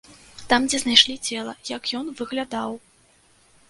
Там, дзе знайшлі цела, як ён выглядаў.